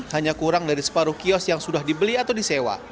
hanya kurang dari separuh kios yang sudah dibeli atau disewa